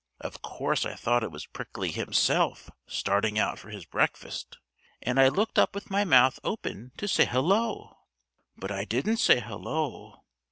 Of course I thought it was Prickly himself starting out for his breakfast, and I looked up with my mouth open to say hello. But I didn't say hello.